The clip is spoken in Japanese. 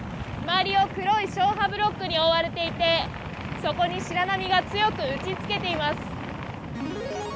周りを黒い消波ブロックに覆われていてそこに白波が強く打ちつけています。